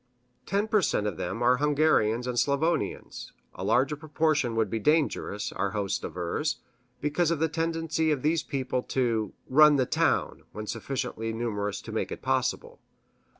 Ten per cent of them are Hungarians and Slavonians a larger proportion would be dangerous, our host avers, because of the tendency of these people to "run the town" when sufficiently numerous to make it possible.